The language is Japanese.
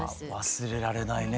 忘れられないね